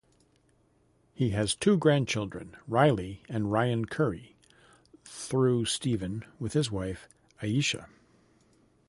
He has two grandchildren, Riley and Ryan Curry, through Stephen, with his wife Ayesha.